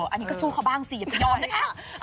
อันนี้ก็สู้เขาบ้างสิอยากจะโดนนะคะ